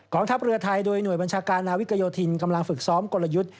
ทัพเรือไทยโดยหน่วยบัญชาการนาวิกโยธินกำลังฝึกซ้อมกลยุทธ์